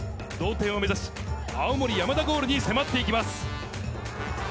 同点を目指し、青森山田ゴールに迫って行きます。